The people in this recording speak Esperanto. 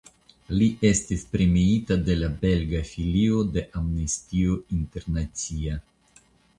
Li estis premiita de la belga filio de Amnestio Internacia.